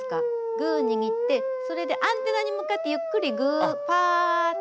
グー握ってそれでアンテナに向かってゆっくりグーパー。